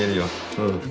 うん。